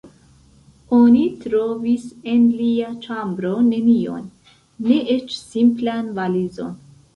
Oni trovis en lia ĉambro nenion, ne eĉ simplan valizon.